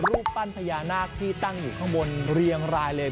รูปปั้นพญานาคที่ตั้งอยู่ข้างบนเรียงรายเลย